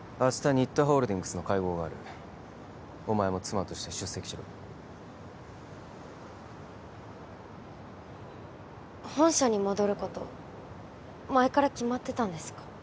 新田ホールディングスの会合があるお前も妻として出席しろ本社に戻ること前から決まってたんですか？